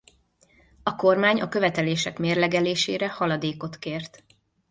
A kormány a követelések mérlegelésére haladékot kért.